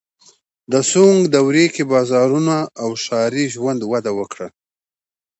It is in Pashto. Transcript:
د سونګ دورې کې بازارونه او ښاري ژوند وده وکړه.